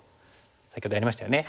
先ほどやりましたよね。